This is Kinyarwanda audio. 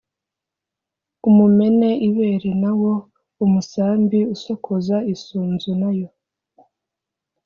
umumene ibere na wo umus ambi usokoza is unzu na yo